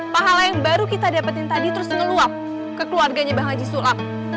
pahala yang baru kita dapetin tadi terus ngeluap ke keluarganya bang haji sulap